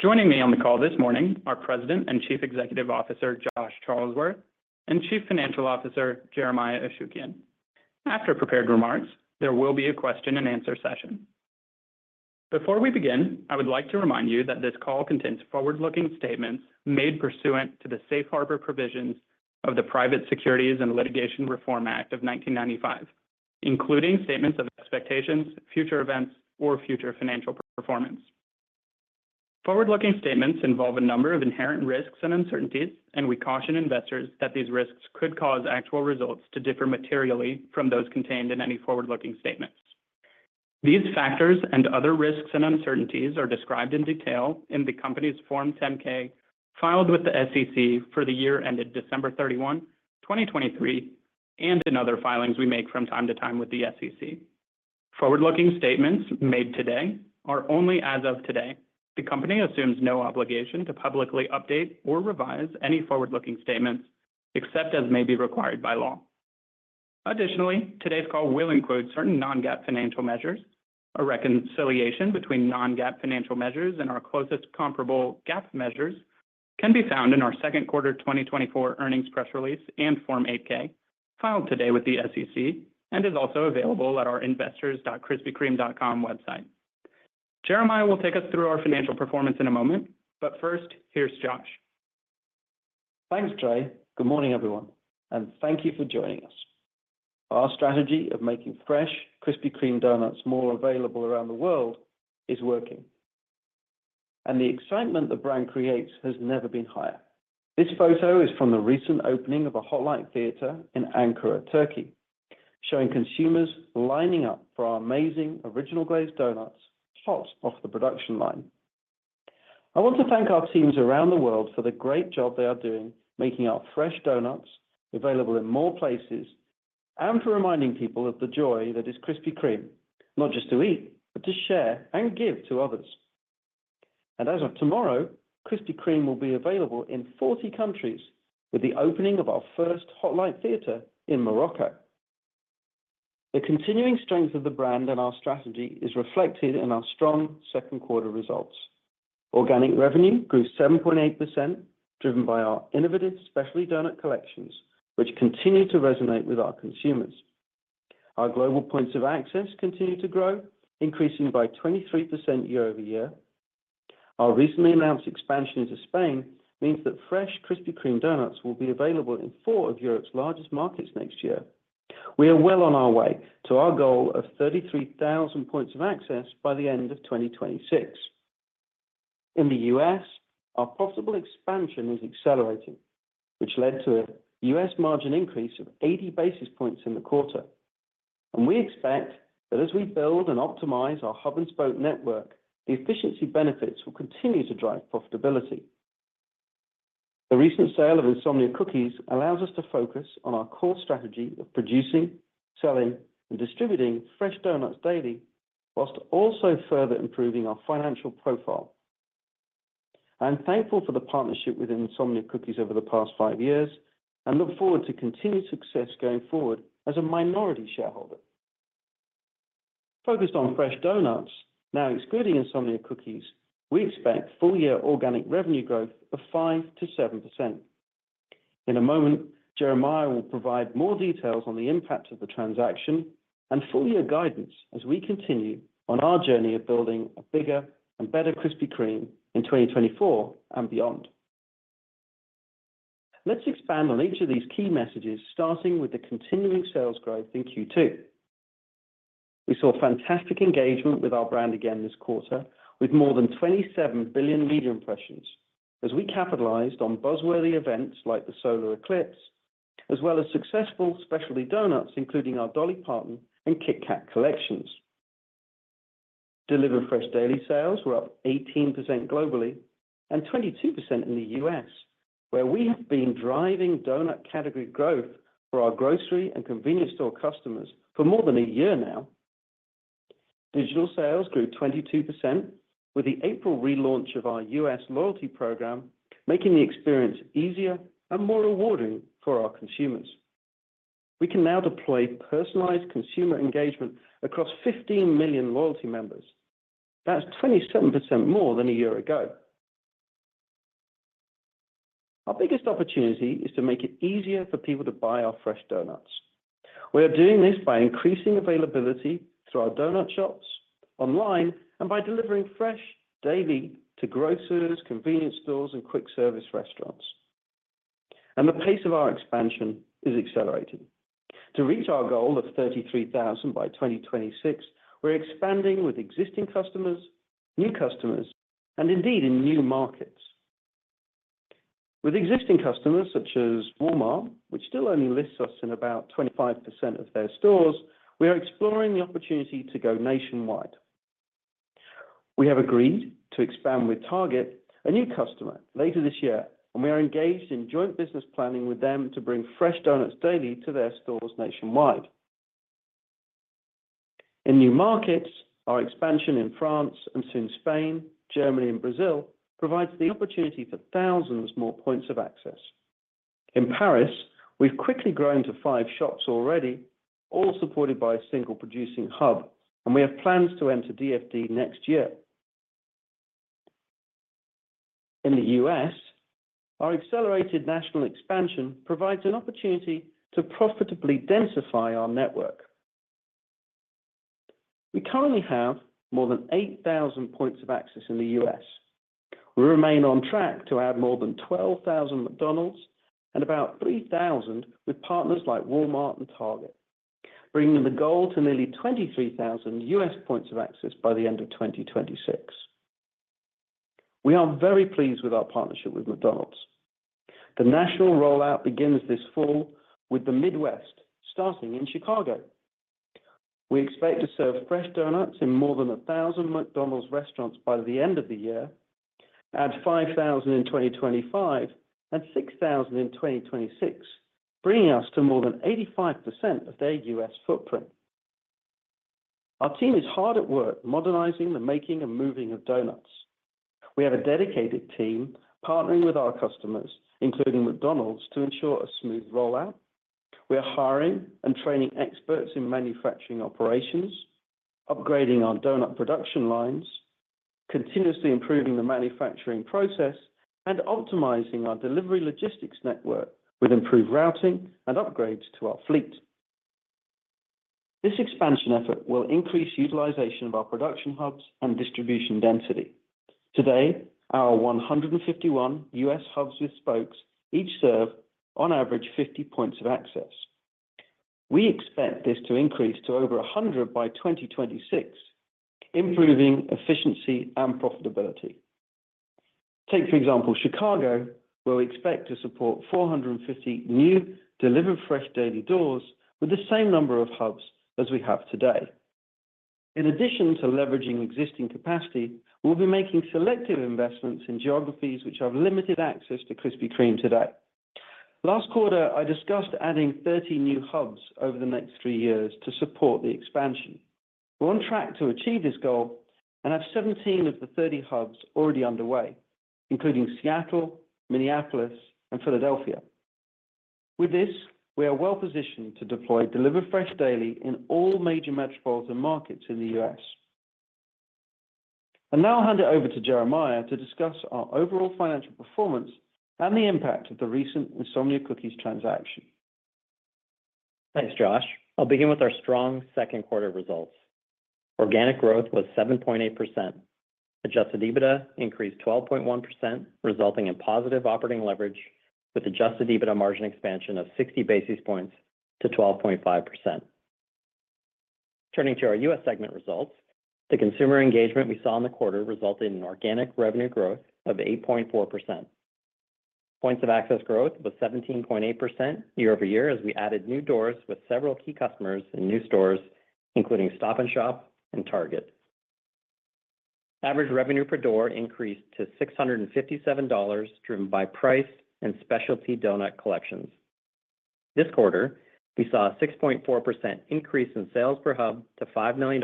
Joining me on the call this morning are President and Chief Executive Officer, Josh Charlesworth, and Chief Financial Officer, Jeremiah Ashukian. After prepared remarks, there will be a question-and-answer session. Before we begin, I would like to remind you that this call contains forward-looking statements made pursuant to the Safe Harbor Provisions of the Private Securities and Litigation Reform Act of 1995, including statements of expectations, future events, or future financial performance. Forward-looking statements involve a number of inherent risks and uncertainties, and we% caution investors that these risks could cause actual results to differ materially from those contained in any forward-looking statements. These factors and other risks and uncertainties are described in detail in the company's Form 10-K filed with the SEC for the year ended December 31, 2023, and in other filings we make from time to time with the SEC. Forward-looking statements made today are only as of today. The company assumes no obligation to publicly update or revise any forward-looking statements, except as may be required by law. Additionally, today's call will include certain non-GAAP financial measures. A reconciliation between non-GAAP financial measures and our closest comparable GAAP measures can be found in our second quarter 2024 earnings press release and Form 8-K, filed today with the SEC, and is also available at our investors.krispykreme.com website. Jeremiah will take us through our financial performance into a moment, but first, here's Josh. Thanks, Trey. Good morning, everyone, and thank you for joining us. Our strategy of making fresh Krispy Kreme donuts more available around the world is working, and the excitement the brand creates has never been higher. This photo is from the recent opening of a Hot Light Theater in Ankara, Turkey, showing consumers lining up for our amazing Original Glazed donuts, hot off the production line. I want to thank our teams around the world for the great job they are doing, making our fresh donuts available in more places, and for reminding people of the joy that is Krispy Kreme, not just to eat, but to share and give to others. As of tomorrow, Krispy Kreme will be available in 40 countries with the opening of our first Hot Light Theater in Morocco. The continuing strength of the brand and our strategy is reflected in our strong second quarter results. Organic revenue grew 7.8%, driven by our innovative specialty donut collections, which continue to resonate with our consumers. Our global points of access continue to grow, increasing by 23% year-over-year. Our recently announced expansion into Spain means that fresh Krispy Kreme donuts will be available in four of Europe's largest markets next year. We are well on our way to our goal of 33,000 points of access by the end of 2026. In the U.S., our profitable expansion is accelerating, which led to a U.S. margin increase of 80 basis points in the quarter. We expect that as we build and optimize our hub-and-spoke network, the efficiency benefits will continue to drive profitability. The recent sale of Insomnia Cookies allows us to focus on our core strategy of producing, selling, and distributing fresh donuts daily, while also further improving our financial profile. I'm thankful for the partnership with Insomnia Cookies over the past five years, and look forward to continued success going forward as a minority shareholder. Focused on fresh donuts, now excluding Insomnia Cookies, we expect full-year organic revenue growth of 5%-7%. In a moment, Jeremiah will provide more details on the impact of the transaction and full year guidance as we continue on our journey of building a bigger and better Krispy Kreme in 2024 and beyond. Let's expand on each of these key messages, starting with the continuing sales growth in Q2. We saw fantastic engagement with our brand again this quarter, with more than 27 billion media impressions, as we capitalized on buzzworthy events like the solar eclipse, as well as successful specialty donuts, including our Dolly Parton and Kit Kat collections. Delivered Fresh Daily sales were up 18% globally and 22% in the U.S., where we have been driving donut category growth for our grocery and convenience store customers for more than a year now. Digital sales grew 22% with the April relaunch of our U.S. loyalty program, making the experience easier and more rewarding for our consumers. We can now deploy personalized consumer engagement across 15 million loyalty members. That's 27% more than a year ago. Our biggest opportunity is to make it easier for people to buy our fresh donuts. We are doing this by increasing availability through our donut shops, online, and by delivering fresh daily to grocers, convenience stores, and quick service restaurants, and the pace of our expansion is accelerating. To reach our goal of 33,000 by 2026, we're expanding with existing customers, new customers, and indeed, in new markets. With existing customers such as Walmart, which still only lists us in about 25% of their stores, we are exploring the opportunity to go nationwide. We have agreed to expand with Target, a new customer, later this year, and we are engaged in joint business planning with them to bring fresh donuts daily to their stores nationwide. In new markets, our expansion in France and soon Spain, Germany, and Brazil, provides the opportunity for thousands more points of access.... In Paris, we've quickly grown to 5 shops already, all supported by a single producing hub, and we have plans to enter DFD next year. In the U.S., our accelerated national expansion provides an opportunity to profitably densify our network. We currently have more than 8,000 points of access in the U.S. We remain on track to add more than 12,000 McDonald's and about 3,000 with partners like Walmart and Target, bringing the goal to nearly 23,000 U.S. points of access by the end of 2026. We are very pleased with our partnership with McDonald's. The national rollout begins this fall with the Midwest, starting in Chicago. We expect to serve fresh donuts in more than 1,000 McDonald's restaurants by the end of the year, add 5,000 in 2025, and 6,000 in 2026, bringing us to more than 85% of their U.S. footprint. Our team is hard at work modernizing the making and moving of donuts. We have a dedicated team partnering with our customers, including McDonald's, to ensure a smooth rollout. We are hiring and training experts in manufacturing operations, upgrading our donut production lines, continuously improving the manufacturing process, and optimizing our delivery logistics network with improved routing and upgrades to our fleet. This expansion effort will increase utilization of our production hubs and distribution density. Today, our 151 U.S. hubs with spokes each serve, on average, 50 points of access. We expect this to increase to over 100 by 2026, improving efficiency and profitability. Take, for example, Chicago, where we expect to support 450 new Delivered Fresh Daily doors with the same number of hubs as we have today. In addition to leveraging existing capacity, we'll be making selective investments in geographies which have limited access to Krispy Kreme today. Last quarter, I discussed adding 30 new hubs over the next 3 years to support the expansion. We're on track to achieve this goal and have 17 of the 30 hubs already underway, including Seattle, Minneapolis, and Philadelphia. With this, we are well positioned to deploy Delivered Fresh Daily in all major metropolitan markets in the U.S. I'll now hand it over to Jeremiah to discuss our overall financial performance and the impact of the recent Insomnia Cookies transaction. Thanks, Josh. I'll begin with our strong second quarter results. Organic growth was 7.8%. Adjusted EBITDA increased 12.1%, resulting in positive operating leverage with adjusted EBITDA margin expansion of 60 basis points to 12.5%. Turning to our US segment results, the consumer engagement we saw in the quarter resulted in an organic revenue growth of 8.4%. Points of access growth was 17.8% year-over-year, as we added new doors with several key customers and new stores, including Stop & Shop and Target. Average revenue per door increased to $657, driven by price and specialty donut collections. This quarter, we saw a 6.4% increase in sales per hub to $5 million,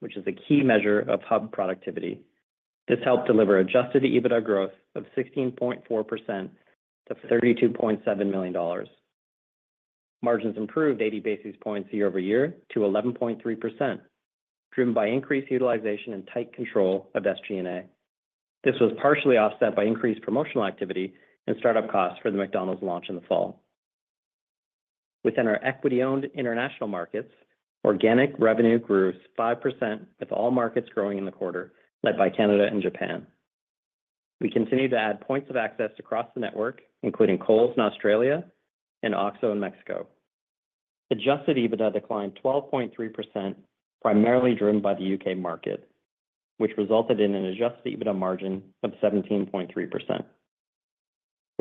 which is a key measure of hub productivity. This helped deliver adjusted EBITDA growth of 16.4% to $32.7 million. Margins improved 80 basis points year-over-year to 11.3%, driven by increased utilization and tight control of SG&A. This was partially offset by increased promotional activity and startup costs for the McDonald's launch in the fall. Within our equity-owned international markets, organic revenue grew 5%, with all markets growing in the quarter led by Canada and Japan. We continued to add points of access across the network, including Coles in Australia and OXXO in Mexico. Adjusted EBITDA declined 12.3%, primarily driven by the UK market, which resulted in an adjusted EBITDA margin of 17.3%. We're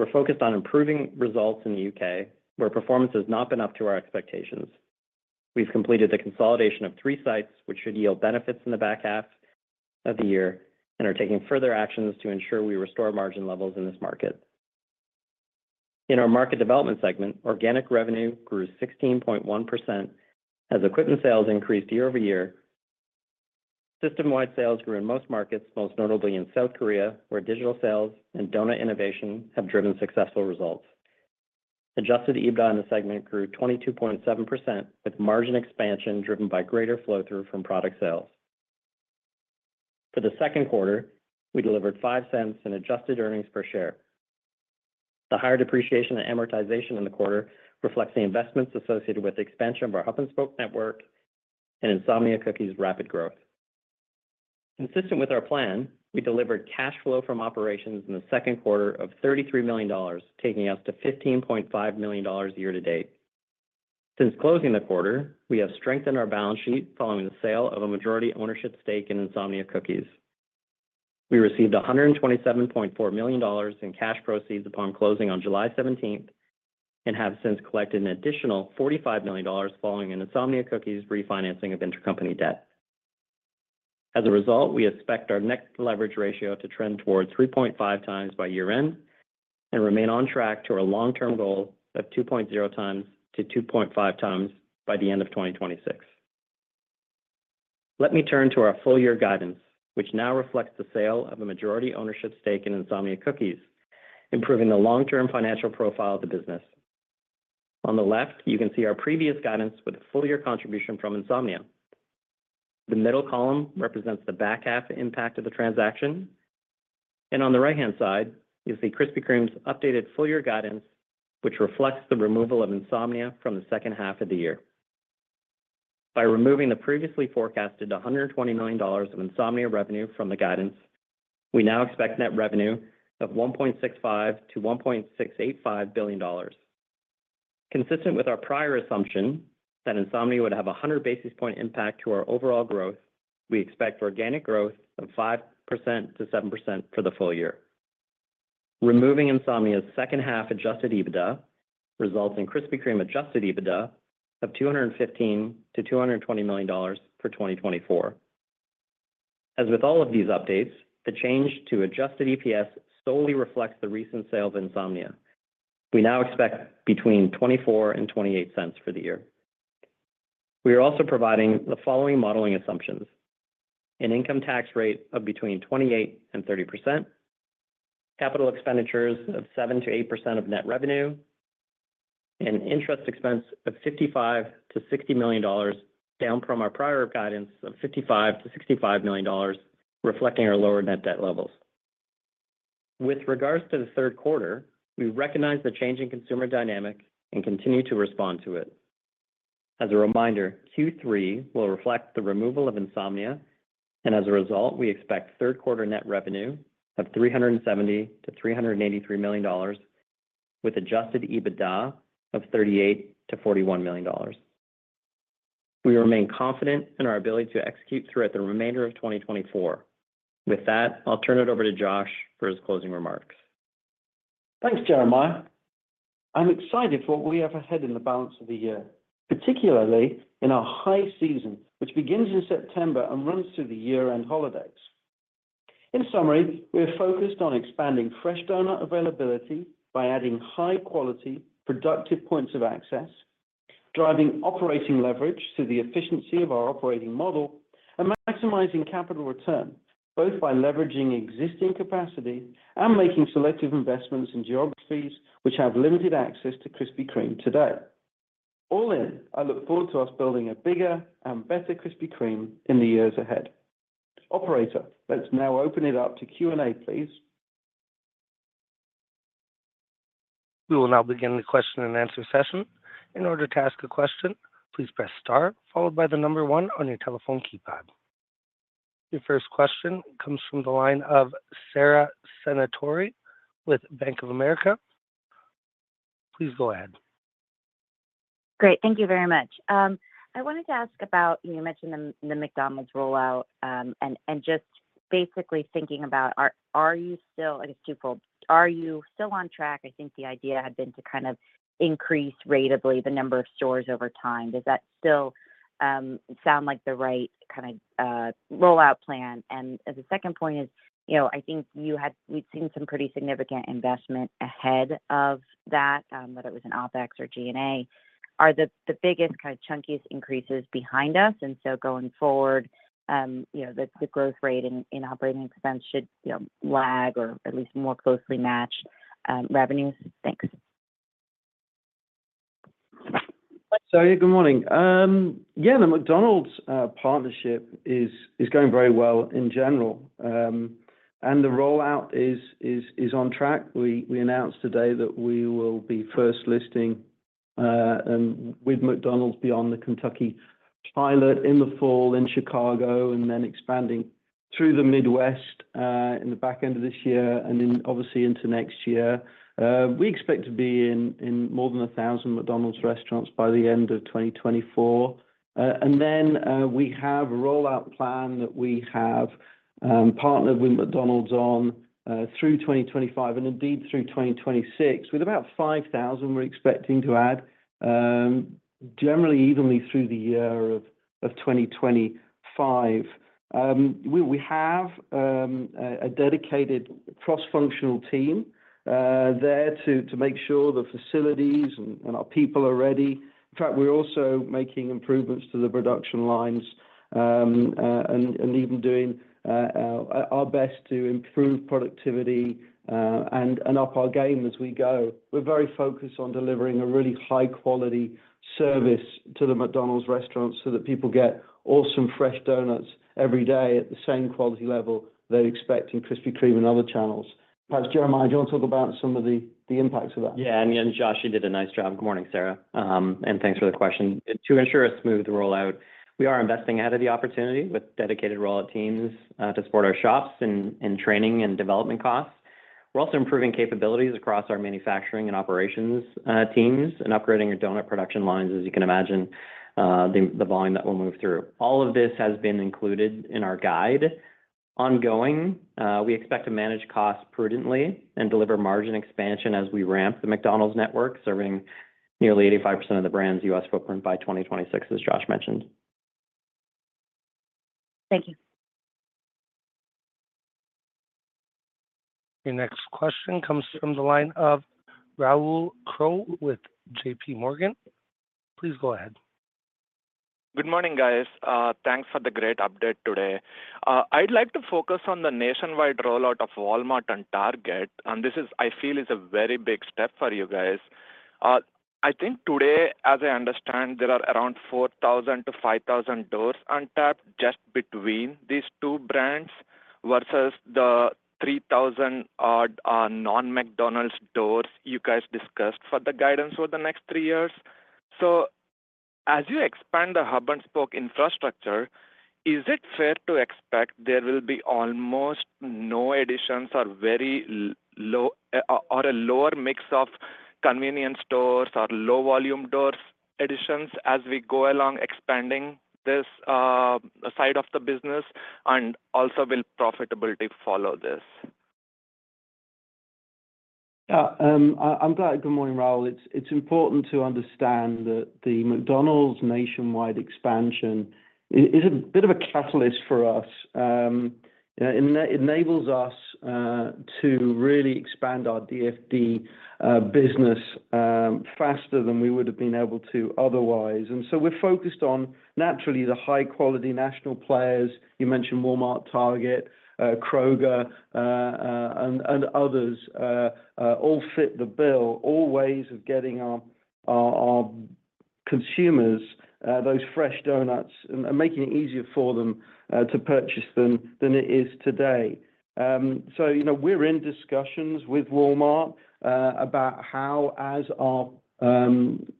focused on improving results in the UK, where performance has not been up to our expectations. We've completed the consolidation of three sites, which should yield benefits in the back half of the year and are taking further actions to ensure we restore margin levels in this market. In our market development segment, organic revenue grew 16.1% as equipment sales increased year-over-year. System-wide sales grew in most markets, most notably in South Korea, where digital sales and donut innovation have driven successful results. Adjusted EBITDA in the segment grew 22.7%, with margin expansion driven by greater flow-through from product sales. For the second quarter, we delivered $0.05 in adjusted earnings per share. The higher depreciation and amortization in the quarter reflects the investments associated with the expansion of our hub-and-spoke network and Insomnia Cookies' rapid growth. Consistent with our plan, we delivered cash flow from operations in the second quarter of $33 million, taking us to $15.5 million year to date. Since closing the quarter, we have strengthened our balance sheet following the sale of a majority ownership stake in Insomnia Cookies. We received $127.4 million in cash proceeds upon closing on July seventeenth and have since collected an additional $45 million following an Insomnia Cookies refinancing of intercompany debt. As a result, we expect our next leverage ratio to trend towards 3.5 times by year-end and remain on track to our long-term goal of 2.0 times-2.5 times by the end of 2026. Let me turn to our full year guidance, which now reflects the sale of a majority ownership stake in Insomnia Cookies, improving the long-term financial profile of the business. On the left, you can see our previous guidance with a full year contribution from Insomnia. The middle column represents the back half impact of the transaction, and on the right-hand side, you see Krispy Kreme's updated full year guidance, which reflects the removal of Insomnia from the second half of the year. By removing the previously forecasted $120 million of Insomnia revenue from the guidance, we now expect net revenue of $1.65-$1.685 billion. Consistent with our prior assumption that Insomnia would have a 100 basis point impact to our overall growth, we expect organic growth of 5%-7% for the full year. Removing Insomnia's second half Adjusted EBITDA results in Krispy Kreme Adjusted EBITDA of $215 million-$220 million for 2024. As with all of these updates, the change to Adjusted EPS solely reflects the recent sale of Insomnia. We now expect between $0.24 and $0.28 for the year. We are also providing the following modeling assumptions: an income tax rate of 28%-30%, capital expenditures of 7%-8% of net revenue, and interest expense of $55 million-$60 million, down from our prior guidance of $55 million-$65 million, reflecting our lower net debt levels. With regards to the third quarter, we recognize the change in consumer dynamic and continue to respond to it. As a reminder, Q3 will reflect the removal of Insomnia, and as a result, we expect third quarter net revenue of $370 million-$383 million, with Adjusted EBITDA of $38 million-$41 million. We remain confident in our ability to execute throughout the remainder of 2024. With that, I'll turn it over to Josh for his closing remarks. Thanks, Jeremiah. I'm excited for what we have ahead in the balance of the year, particularly in our high season, which begins in September and runs through the year-end holidays. In summary, we are focused on expanding fresh donut availability by adding high-quality, productive points of access, driving operating leverage through the efficiency of our operating model, and maximizing capital return, both by leveraging existing capacity and making selective investments in geographies which have limited access to Krispy Kreme today. All in, I look forward to us building a bigger and better Krispy Kreme in the years ahead. Operator, let's now open it up to Q&A, please. We will now begin the question and answer session. In order to ask a question, please press star, followed by the number one on your telephone keypad. Your first question comes from the line of Sarah Senatore with Bank of America. Please go ahead. Great. Thank you very much. I wanted to ask about, you mentioned the McDonald's rollout, and just basically thinking about, are you still... I guess, twofold. Are you still on track? I think the idea had been to kind of increase ratably the number of stores over time. Does that still sound like the right kind of rollout plan? And the second point is, you know, I think you had—we'd seen some pretty significant investment ahead of that, whether it was in OpEx or G&A. Are the biggest, kind of chunkiest increases behind us, and so going forward, you know, the growth rate in operating expense should, you know, lag or at least more closely match revenues? Thanks. Sarah, good morning. Yeah, the McDonald's partnership is going very well in general, and the rollout is on track. We announced today that we will be first listing and with McDonald's beyond the Kentucky pilot in the fall in Chicago, and then expanding through the Midwest in the back end of this year and then obviously into next year. We expect to be in more than 1,000 McDonald's restaurants by the end of 2024. And then we have a rollout plan that we have partnered with McDonald's on through 2025 and indeed through 2026, with about 5,000 we're expecting to add generally evenly through the year of 2025. We have a dedicated cross-functional team there to make sure the facilities and our people are ready. In fact, we're also making improvements to the production lines and even doing our best to improve productivity and up our game as we go. We're very focused on delivering a really high-quality service to the McDonald's restaurants so that people get awesome fresh donuts every day at the same quality level they expect in Krispy Kreme and other channels. Perhaps, Jeremiah, do you want to talk about some of the impacts of that? Yeah, and Josh, you did a nice job. Good morning, Sarah, and thanks for the question. To ensure a smooth rollout, we are investing ahead of the opportunity with dedicated rollout teams to support our shops in training and development costs. We're also improving capabilities across our manufacturing and operations teams, and upgrading our donut production lines, as you can imagine, the volume that we'll move through. All of this has been included in our guide. Ongoing, we expect to manage costs prudently and deliver margin expansion as we ramp the McDonald's network, serving nearly 85% of the brand's U.S. footprint by 2026, as Josh mentioned. Thank you.... Your next question comes from the line of Rahul Kohli with JP Morgan. Please go ahead. Good morning, guys. Thanks for the great update today. I'd like to focus on the nationwide rollout of Walmart and Target, and this is, I feel, is a very big step for you guys. I think today, as I understand, there are around 4,000-5,000 stores untapped just between these two brands, versus the 3,000-odd non-McDonald's stores you guys discussed for the guidance over the next 3 years. So as you expand the hub-and-spoke infrastructure, is it fair to expect there will be almost no additions or very low or a lower mix of convenience stores or low volume stores additions as we go along expanding this side of the business, and also will profitability follow this? Yeah, I'm glad. Good morning, Rahul. It's important to understand that the McDonald's nationwide expansion is a bit of a catalyst for us. It enables us to really expand our DFD business faster than we would have been able to otherwise. And so we're focused on, naturally, the high quality national players. You mentioned Walmart, Target, Kroger, and others all fit the bill, all ways of getting our consumers those fresh donuts, and making it easier for them to purchase them than it is today. So, you know, we're in discussions with Walmart about how as our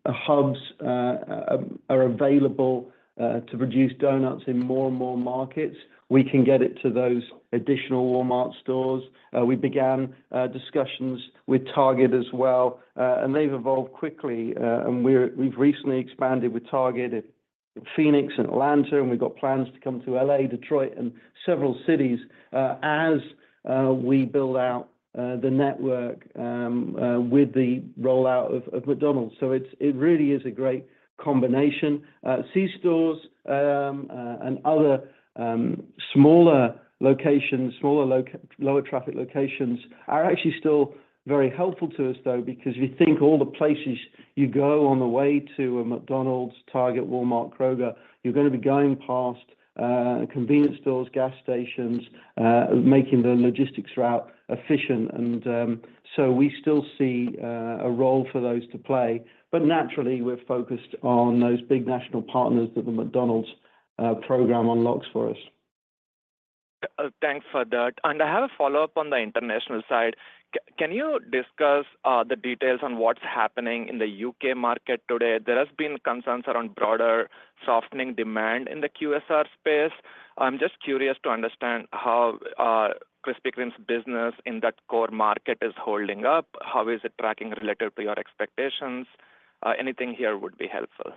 hubs are available to produce donuts in more and more markets, we can get it to those additional Walmart stores. We began discussions with Target as well, and they've evolved quickly, and we've recently expanded with Target at Phoenix and Atlanta, and we've got plans to come to L.A., Detroit, and several cities, as we build out the network with the rollout of McDonald's. So it really is a great combination. C stores and other smaller locations, lower traffic locations, are actually still very helpful to us, though, because we think all the places you go on the way to a McDonald's, Target, Walmart, Kroger, you're gonna be going past convenience stores, gas stations, making the logistics route efficient. And so we still see a role for those to play, but naturally, we're focused on those big national partners that the McDonald's program unlocks for us. Thanks for that. I have a follow-up on the international side. Can you discuss the details on what's happening in the UK market today? There has been concerns around broader softening demand in the QSR space. I'm just curious to understand how Krispy Kreme's business in that core market is holding up. How is it tracking relative to your expectations? Anything here would be helpful.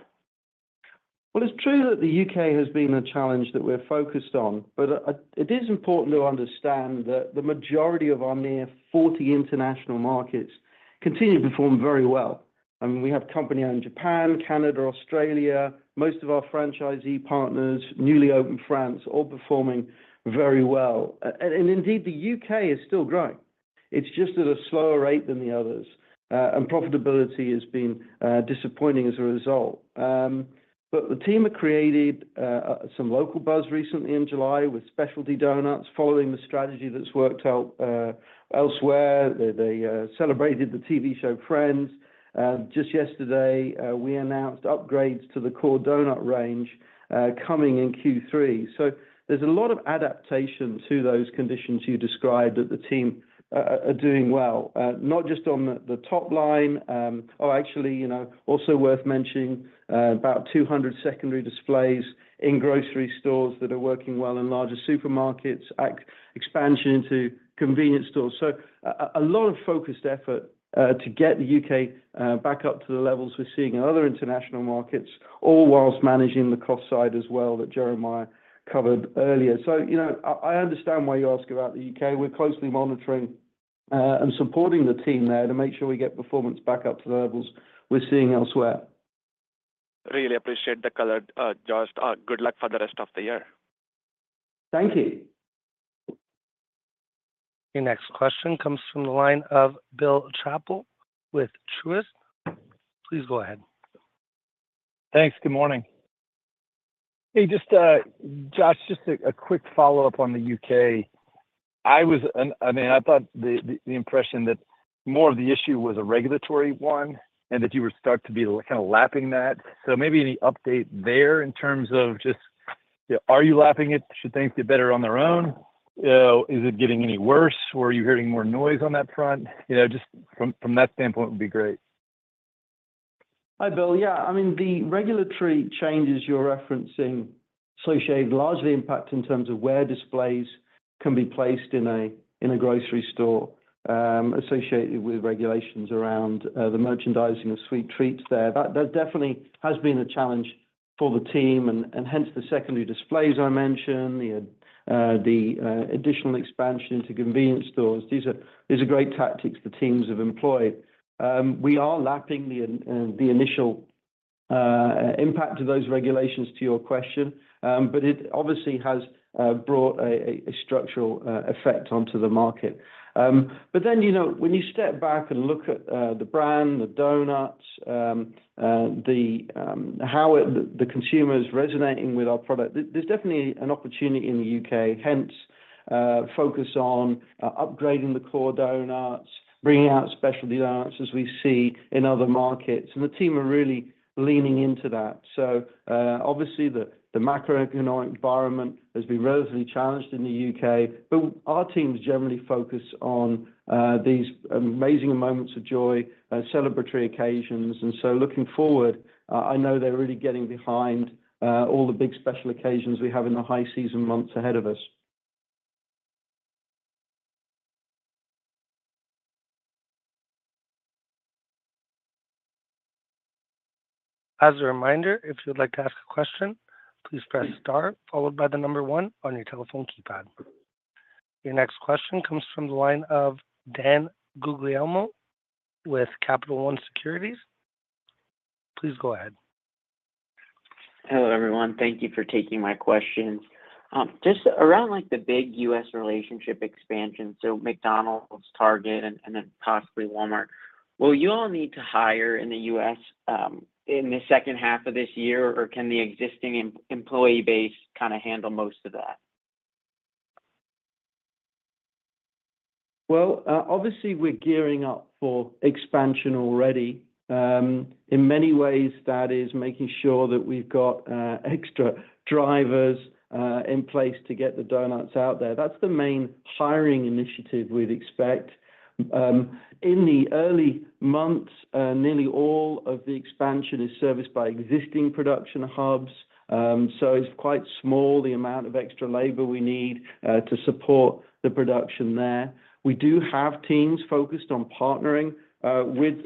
Well, it's true that the UK has been a challenge that we're focused on, but it is important to understand that the majority of our nearly 40 international markets continue to perform very well. I mean, we have company-owned Japan, Canada, Australia, most of our franchisee partners, newly opened France, all performing very well. And indeed, the UK is still growing. It's just at a slower rate than the others, and profitability has been disappointing as a result. But the team have created some local buzz recently in July with specialty donuts, following the strategy that's worked out elsewhere. They celebrated the TV show Friends. Just yesterday, we announced upgrades to the core donut range coming in Q3. So there's a lot of adaptation to those conditions you described, that the team are doing well, not just on the top line. Oh, actually, you know, also worth mentioning, about 200 secondary displays in grocery stores that are working well in larger supermarkets, expansion into convenience stores. So a lot of focused effort, to get the UK back up to the levels we're seeing in other international markets, all whilst managing the cost side as well, that Jeremiah covered earlier. So, you know, I understand why you ask about the UK. We're closely monitoring, and supporting the team there to make sure we get performance back up to the levels we're seeing elsewhere. Really appreciate the color, Josh. Good luck for the rest of the year. Thank you. Your next question comes from the line of Bill Chappell with Truist. Please go ahead. Thanks. Good morning. Hey, just Josh, just a quick follow-up on the UK. I mean, I thought the impression that more of the issue was a regulatory one, and that you were starting to kind of lap that. So maybe any update there in terms of just, are you lapping it? Should things get better on their own? Is it getting any worse, or are you hearing more noise on that front? You know, just from that standpoint, would be great. Hi, Bill. Yeah, I mean, the regulatory changes you're referencing associated largely impact in terms of where displays can be placed in a grocery store, associated with regulations around the merchandising of sweet treats there. That definitely has been a challenge for the team, and hence, the secondary displays I mentioned, the additional expansion into convenience stores. These are great tactics the teams have employed. We are lapping the impact of those regulations to your question. But it obviously has brought a structural effect onto the market. But then, you know, when you step back and look at the brand, the donuts, how the consumer is resonating with our product, there's definitely an opportunity in the UK. Hence, focus on upgrading the core donuts, bringing out specialty donuts as we see in other markets, and the team are really leaning into that. So, obviously, the macroeconomic environment has been relatively challenged in the UK, but our teams generally focus on these amazing moments of joy, celebratory occasions. And so looking forward, I know they're really getting behind all the big special occasions we have in the high season months ahead of us. As a reminder, if you'd like to ask a question, please press star followed by the number one on your telephone keypad. Your next question comes from the line of Dan Guglielmo with Capital One Securities. Please go ahead. Hello, everyone. Thank you for taking my questions. Just around, like, the big U.S. relationship expansion, so McDonald's, Target, and then possibly Walmart, will you all need to hire in the U.S., in the second half of this year, or can the existing employee base kinda handle most of that? Well, obviously, we're gearing up for expansion already. In many ways, that is making sure that we've got extra drivers in place to get the donuts out there. That's the main hiring initiative we'd expect. In the early months, nearly all of the expansion is serviced by existing production hubs. So it's quite small, the amount of extra labor we need to support the production there. We do have teams focused on partnering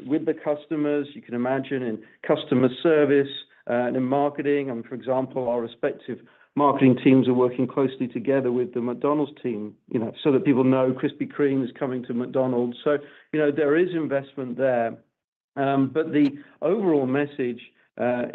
with the customers. You can imagine in customer service in marketing, and for example, our respective marketing teams are working closely together with the McDonald's team, you know, so that people know Krispy Kreme is coming to McDonald's. So, you know, there is investment there. But the overall message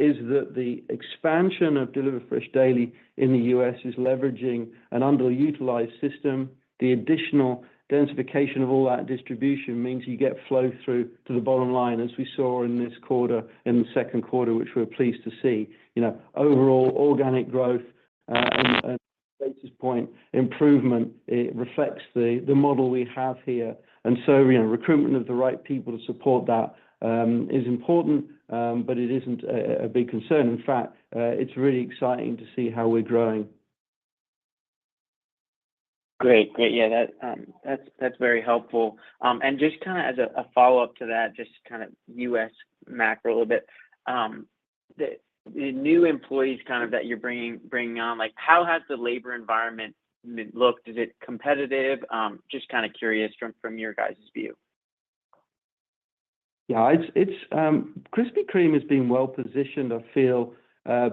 is that the expansion of Delivered Fresh Daily in the U.S. is leveraging an underutilized system. The additional densification of all that distribution means you get flow-through to the bottom line, as we saw in this quarter, in the second quarter, which we're pleased to see. You know, overall, organic growth and basis point improvement, it reflects the model we have here. And so, you know, recruitment of the right people to support that is important, but it isn't a big concern. In fact, it's really exciting to see how we're growing. Great. Yeah, yeah, that's very helpful. And just kinda as a follow-up to that, just to kind of U.S. macro a little bit, the new employees kind of that you're bringing on, like, how has the labor environment looked? Is it competitive? Just kinda curious from your guys' view. Yeah, it's... Krispy Kreme has been well positioned, I feel.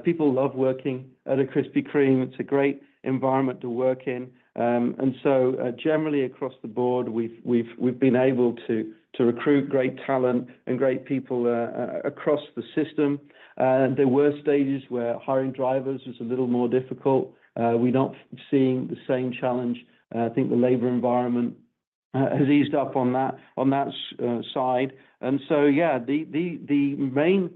People love working at a Krispy Kreme. It's a great environment to work in. And so, generally, across the board, we've been able to recruit great talent and great people across the system. There were stages where hiring drivers was a little more difficult. We're not seeing the same challenge. I think the labor environment has eased up on that side. And so, yeah, the main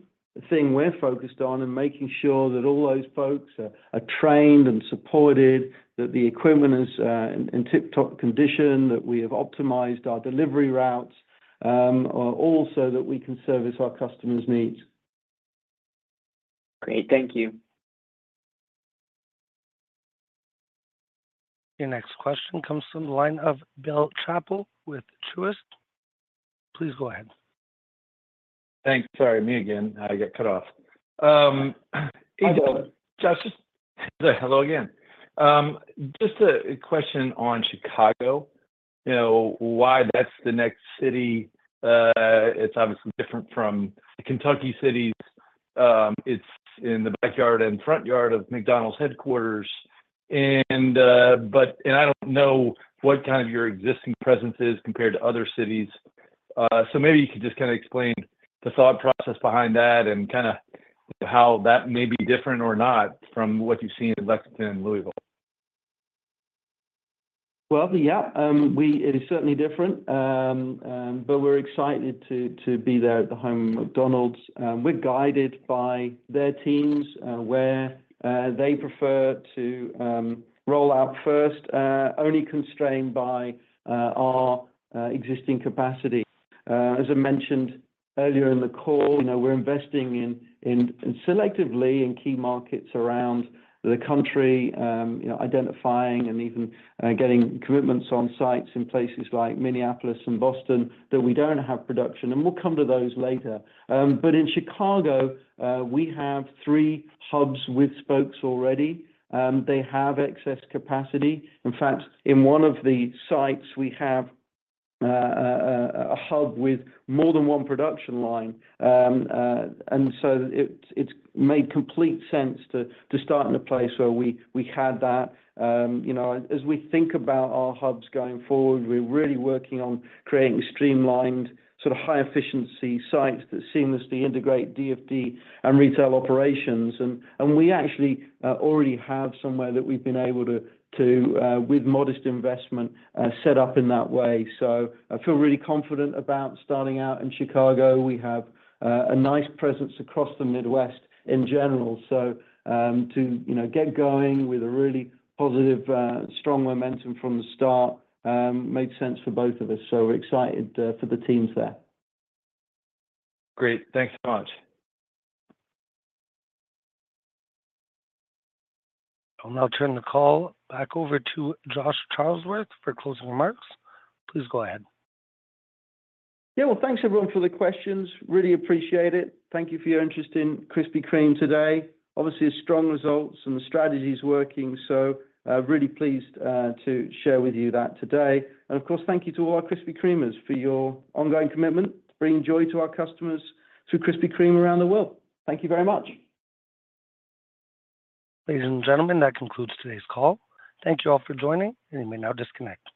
thing we're focused on and making sure that all those folks are trained and supported, that the equipment is in tip-top condition, that we have optimized our delivery routes, all so that we can service our customers' needs. Great. Thank you. Your next question comes from the line of Bill Chappell with Truist. Please go ahead. Thanks. Sorry, me again. I got cut off. Hey, Hi, Bill. Justin. Hello again. Just a question on Chicago. You know, why that's the next city? It's obviously different from the Kentucky cities. It's in the backyard and front yard of McDonald's headquarters, and but I don't know what kind of your existing presence is compared to other cities. So maybe you could just kinda explain the thought process behind that and kinda how that may be different or not from what you've seen in Lexington and Louisville. Well, yeah. It is certainly different, but we're excited to be there at the home of McDonald's. We're guided by their teams, where they prefer to roll out first, only constrained by our existing capacity. As I mentioned earlier in the call, you know, we're investing in selectively in key markets around the country, you know, identifying and even getting commitments on sites in places like Minneapolis and Boston, that we don't have production, and we'll come to those later. But in Chicago, we have three hubs with spokes already, they have excess capacity. In fact, in one of the sites, we have a hub with more than one production line. And so it's made complete sense to start in a place where we had that. You know, as we think about our hubs going forward, we're really working on creating streamlined, sort of high efficiency sites that seamlessly integrate DFD and retail operations. And we actually already have somewhere that we've been able to, with modest investment, set up in that way. So I feel really confident about starting out in Chicago. We have a nice presence across the Midwest in general. So, you know, to get going with a really positive, strong momentum from the start makes sense for both of us. So we're excited for the teams there. Great. Thank you so much. I'll now turn the call back over to Josh Charlesworth for closing remarks. Please go ahead. Yeah, well, thanks, everyone, for the questions. Really appreciate it. Thank you for your interest in Krispy Kreme today. Obviously, strong results and the strategy is working, so really pleased to share with you that today. Of course, thank you to all our Krispy Kremers for your ongoing commitment to bringing joy to our customers through Krispy Kreme around the world. Thank you very much. Ladies and gentlemen, that concludes today's call. Thank you all for joining, and you may now disconnect.